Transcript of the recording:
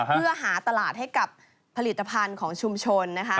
เพื่อหาตลาดให้กับผลิตภัณฑ์ของชุมชนนะคะ